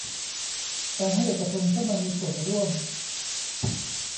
การให้เอกชนเข้ามามีส่วนร่วม